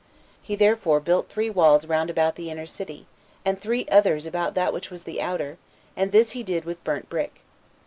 He therefore built three walls round about the inner city, and three others about that which was the outer, and this he did with burnt brick.